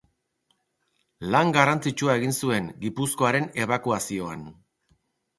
Lan garrantzitsua egin zuen Gipuzkoaren ebakuazioan.